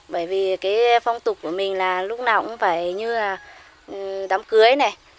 bởi vì phong tục của mình lúc nào cũng phải như là đám cưới